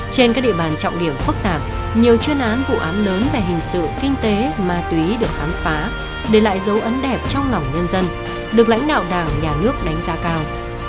trên các địa bàn trọng điểm phức tạp nhiều chuyên án vụ án lớn về hình sự kinh tế ma túy được khám phá để lại dấu ấn đẹp trong lòng nhân dân được lãnh đạo đảng nhà nước đánh giá cao